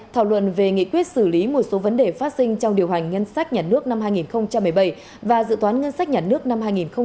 thảo luận về nghị quyết xử lý một số vấn đề phát sinh trong điều hành ngân sách nhà nước năm hai nghìn một mươi bảy và dự toán ngân sách nhà nước năm hai nghìn một mươi tám